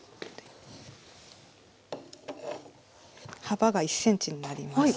幅が１ｃｍになります。